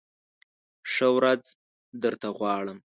ښه ورځ درته غواړم !